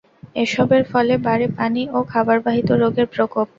এসবের ফলে বাড়ে পানি ও খাবারবাহিত রোগের প্রকোপ।